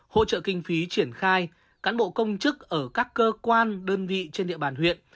hỗ trợ kinh phí triển khai cán bộ công chức ở các cơ quan đơn vị trên địa bàn huyện